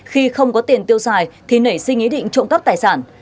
khi không có tiền tiêu xài thì nảy sinh ý định trộm cắp tài sản